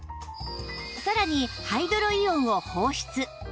さらにハイドロイオンを放出